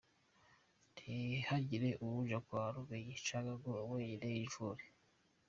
Ntihagire uwuja kwa rumenyi canke ngo we nyene yivure.